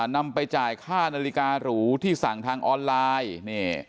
นำไปจ่ายค่านาฬิการูที่สั่งทางออนไลน์